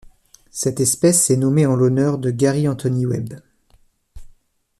Cette espèce est nommée en l'honneur de Garry Anthony Webb.